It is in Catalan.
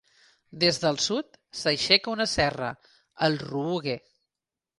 Des del sud s'aixeca una serra, el Ruuge.